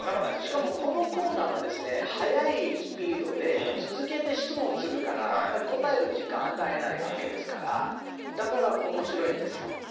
しかもこのコーナーは速いスピードで続けて質問するから、あんまり答える時間与えないわけですから、だからおもしろいんですよ。